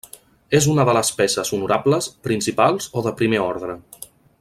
És una de les peces honorables, principals o de primer ordre.